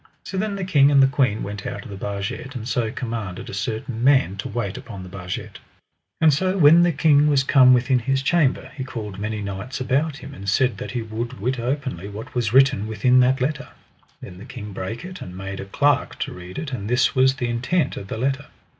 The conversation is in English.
So then the king and the queen went out of the barget, and so commanded a certain man to wait upon the barget. And so when the king was come within his chamber, he called many knights about him, and said that he would wit openly what was written within that letter. Then the king brake it, and made a clerk to read it, and this was the intent of the letter.